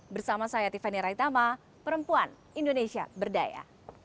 bersama saya tiffany raitama perempuan indonesia berdaya